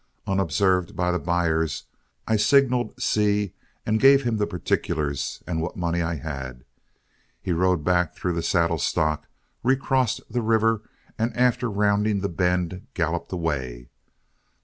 Unobserved by the buyers, I signaled Seay, and gave him the particulars and what money I had. He rode back through the saddle stock, recrossed the river, and after rounding the bend, galloped away.